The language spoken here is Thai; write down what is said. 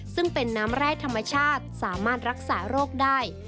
ซึ่งเป็นน้ำแร่ธรรมชาติสามารถรักษาโรคได้